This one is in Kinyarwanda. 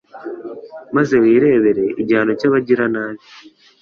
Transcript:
maze wirebere igihano cy’abagiranabi